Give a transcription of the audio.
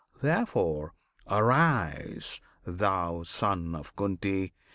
Therefore, arise, thou Son of Kunti!